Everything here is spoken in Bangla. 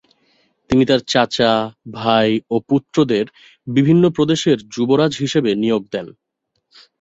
তিনি তার চাচা, ভাই ও পুত্রদের বিভিন্ন প্রদেশের যুবরাজ হিসেবে নিয়োগ দেন।